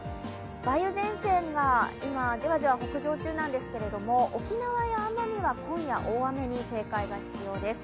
梅雨前線が今、じわじわ北上中なんですけれども沖縄や奄美は今夜、大雨に警戒が必要です。